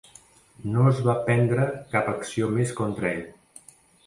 No es va prendre cap acció més contra ell.